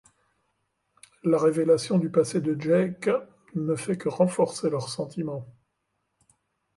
La révélation du passé de Jake ne fait que renforcer leurs sentiments.